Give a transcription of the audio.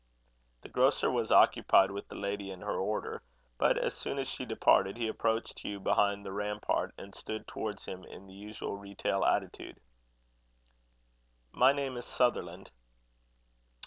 The grocer was occupied with the lady and her order; but as soon as she departed, he approached Hugh behind the rampart, and stood towards him in the usual retail attitude. "My name is Sutherland."